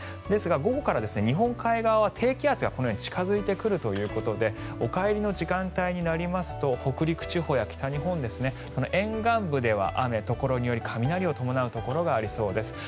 ですが、午後から日本海側は低気圧が近付いてくるということでお帰りの時間帯になりますと北陸地方や北日本で沿岸部では雨ところにより雷を伴うところがありそうです。